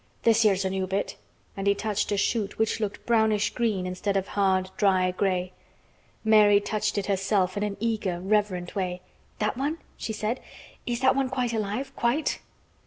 This here's a new bit," and he touched a shoot which looked brownish green instead of hard, dry gray. Mary touched it herself in an eager, reverent way. "That one?" she said. "Is that one quite alive quite?"